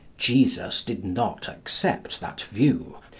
Jesus did not accept that view.